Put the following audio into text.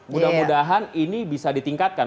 mudah mudahan ini bisa ditingkatkan